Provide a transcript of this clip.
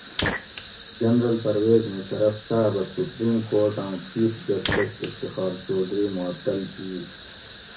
جنرل پرویز مشرف صاۤبہ سپریم کورٹاں چیف جسٹس افتخار چوہدری معطل کیت